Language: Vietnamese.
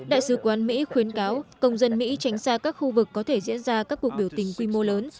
đại sứ quán mỹ khuyến cáo công dân mỹ tránh xa các khu vực có thể diễn ra các cuộc biểu tình quy mô lớn